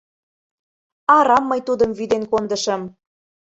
Арам мый тудым вӱден кондышым.